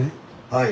はい。